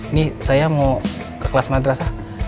ini saya mau ke kelas madrasah